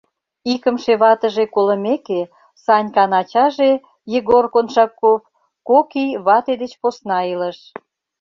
Икымше ватыже колымеке, Санькан ачаже, Егор Коншаков, кок ий вате деч посна илыш.